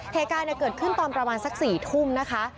เหตุการณ์เกิดขึ้นตอนประมาณสัก๔ทุ่มนะคะ